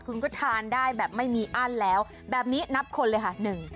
คุณก็ทานได้แบบไม่มีอั้นแล้วแบบนี้นับคนเลยค่ะ